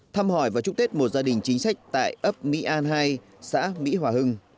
thăm hỏi và chúc tết một gia đình chính sách tại ấp mỹ an hai xã mỹ hòa hưng